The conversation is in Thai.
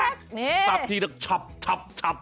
สับทีแล้วก็ชับ